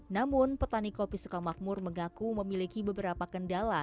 namun petani kopi sukamakmur mengaku memiliki beberapa kendala